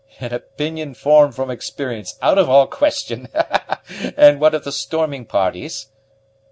"An opinion formed from experience, out of all question. And what of the storming parties?"